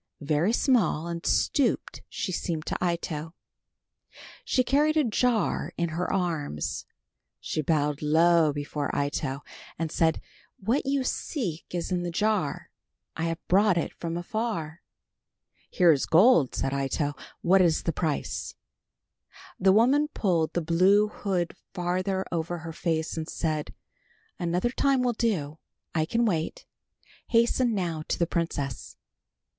Very small and stooped she seemed to Ito. She carried a jar in her arms. She bowed low before Ito, and said, "What you seek is in the jar. I have brought it from afar." "Here is gold," said Ito. "What is the price?" The woman pulled the blue hood farther over her face and said, "Another time will do, I can wait. Hasten now to the princess."